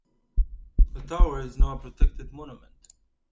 The tower is now a protected monument.